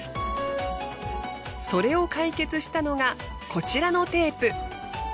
それを解決したのがこちらのテープ。